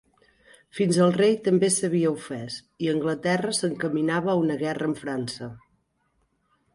Fins el rei també s"havia ofès i Anglaterra s"encaminava a una guerra amb França.